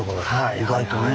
意外とね。